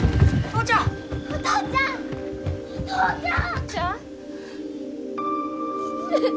お父ちゃん！